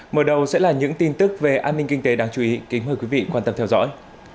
mở đầu sẽ là những tin tức về an ninh kinh tế đáng chú ý kính mời quý vị quan tâm theo dõi